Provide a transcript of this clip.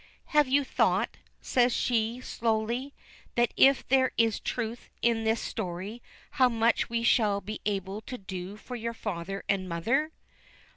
"Have you thought," says she, slowly, "that if there is truth in this story, how much we shall be able to do for your father and mother!"